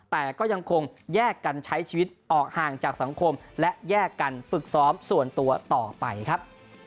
แต่ก็ยังคงแยกกันใช้ชีวิตออกห่างจากสังคมและแยกกันฝึกซ้อมส่วนตัวต่อไปครับ